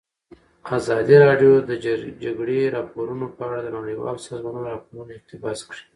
ازادي راډیو د د جګړې راپورونه په اړه د نړیوالو سازمانونو راپورونه اقتباس کړي.